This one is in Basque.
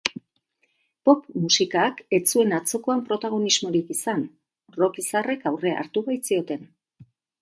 Pop musikak ez zuen atzokoan protagonismorik izan, rock izarrek aurrea hartu baitzioten.